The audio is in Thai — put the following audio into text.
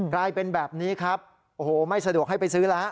กลายเป็นแบบนี้ครับโอ้โหไม่สะดวกให้ไปซื้อแล้ว